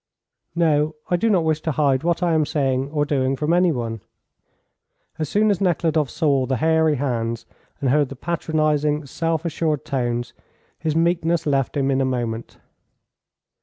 "No, I do not wish to hide what I am saying or doing from any one." As soon as Nekhludoff saw the hairy hands, and heard the patronising, self assured tones, his meekness left him in a moment.